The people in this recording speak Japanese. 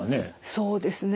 そうですね。